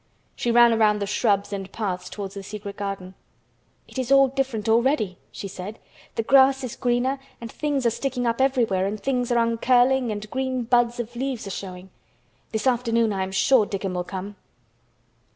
She ran around the shrubs and paths towards the secret garden. "It is all different already," she said. "The grass is greener and things are sticking up everywhere and things are uncurling and green buds of leaves are showing. This afternoon I am sure Dickon will come."